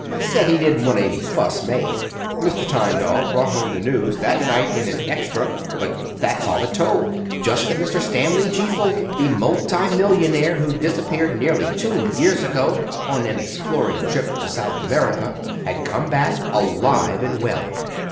Said he didn't want any fuss made. Mr. Tyndall brought home the news that night in an 'Extra'; but that's all it told—just that Mr. Stanley G. Fulton, the multi millionaire who disappeared nearly two years ago on an exploring trip to South America, had come back alive and well.